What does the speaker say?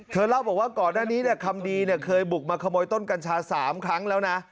เล่าบอกว่าก่อนหน้านี้คำดีเคยบุกมาขโมยต้นกัญชา๓ครั้งแล้วนะ